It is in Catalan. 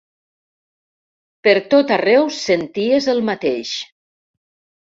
Pertot arreu senties el mateix